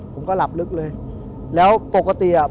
ผมก็ไม่เคยเห็นว่าคุณจะมาทำอะไรให้คุณหรือเปล่า